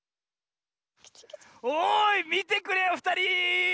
おいみてくれよふたり！